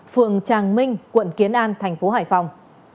phường tràng minh quận kiến an thành phố hải phòng